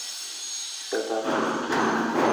د دغه علاقې